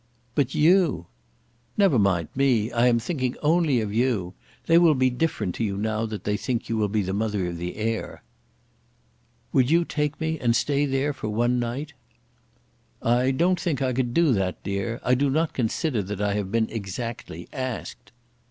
"But you!" "Never mind me. I am thinking only of you. They will be different to you now that they think you will be the mother of the heir." "Would you take me, and stay there, for one night?" "I don't think I could do that, dear. I do not consider that I have been exactly asked."